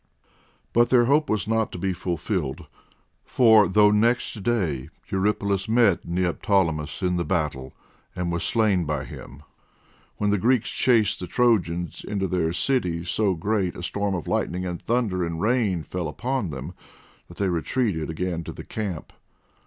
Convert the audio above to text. But their hope was not to be fulfilled, for though next day Eurypylus met Neoptolemus in the battle, and was slain by him, when the Greeks chased the Trojans into their city so great a storm of lightning and thunder and rain fell upon them that they retreated again to their camp.